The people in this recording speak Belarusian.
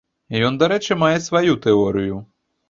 Ён, дарэчы, мае сваю тэорыю.